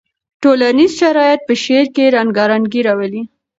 ټولنیز شرایط په شعر کې رنګارنګي راولي.